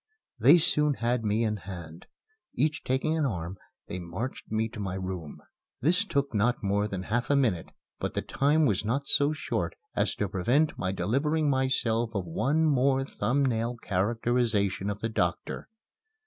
They soon had me in hand. Each taking an arm, they marched me to my room. This took not more than half a minute, but the time was not so short as to prevent my delivering myself of one more thumb nail characterization of the doctor.